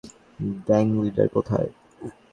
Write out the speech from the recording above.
Gang leader কোথায়?